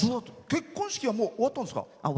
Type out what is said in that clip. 結婚式は終わったんですか？